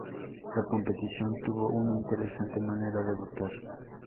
La competición tuvo una interesante manera de votar.